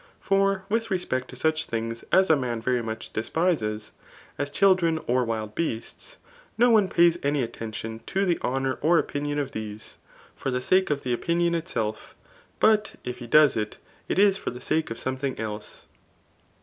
For with res^ici to HKh things as a man very much despises, as chfldMi or wM b^BStSi no one pays aoiy attention to the hoftoiM^ tff dpini<m of these^ far die Sake of the opinion kn^j but if he does it, it is for the ss^e of something else.